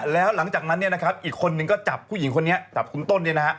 แล้วหลังจากนั้นอีกคนนึงก็จับผู้หญิงคนนี้จับคุณต้น